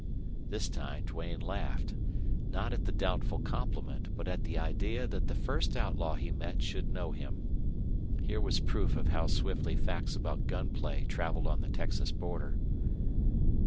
This time Duane laughed, not at the doubtful compliment, but at the idea that the first outlaw he met should know him. Here was proof of how swiftly facts about gun play traveled on the Texas border.